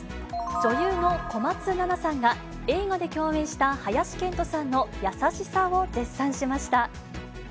女優の小松菜奈さんが、映画で共演した林遣都さんの優しさを絶賛しました。